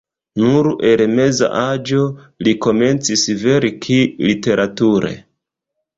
Nur en meza aĝo li komencis verki literature.